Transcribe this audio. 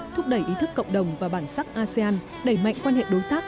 thúc đẩy ý thức cộng đồng và bản sắc asean đẩy mạnh quan hệ đối tác